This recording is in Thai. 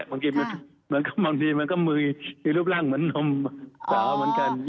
บางทีมันก็มือมีรูปร่างเหมือนนมสาวเหมือนกัน